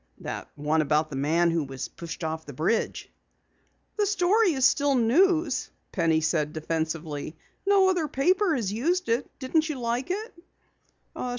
"That one about the man who was pushed off the bridge." "The story is still news," Penny said defensively. "No other paper has used it. Didn't you like it?"